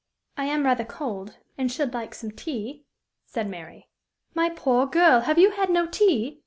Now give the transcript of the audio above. "I am rather cold, and should like some tea," said Mary. "My poor girl! have you had no tea?"